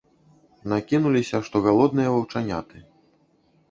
Накінуліся, што галодныя ваўчаняты.